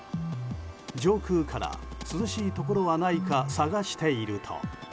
上空から涼しいところはないか探していると。